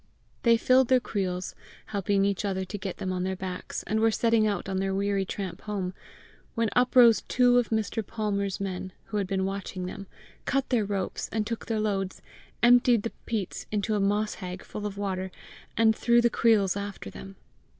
They filled their creels, helped each other to get them on their backs, and were setting out on their weary tramp home, when up rose two of Mr. Palmer's men, who had been watching them, cut their ropes and took their loads, emptied the peats into a moss hag full of water, and threw the creels after them.